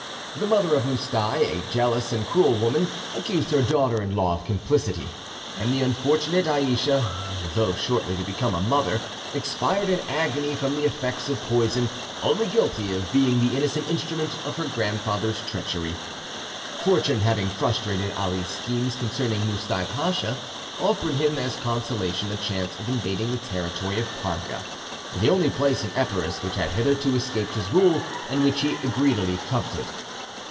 The mother of Moustai, a jealous and cruel woman, accused her daughter in law of complicity, and the unfortunate Ayesha, though shortly to become a mother, expired in agony from the effects of poison, only guilty of being the innocent instrument of her grandfather's treachery. Fortune having frustrated Ali's schemes concerning Moustai Pacha, offered him as consolation a chance of invading the territory of Parga, the only place in Epirus which had hitherto escaped his rule, and which he greedily coveted.